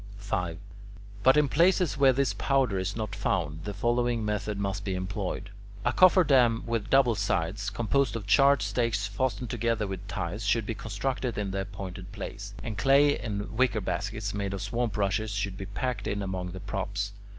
5. But in places where this powder is not found, the following method must be employed. A cofferdam with double sides, composed of charred stakes fastened together with ties, should be constructed in the appointed place, and clay in wicker baskets made of swamp rushes should be packed in among the props.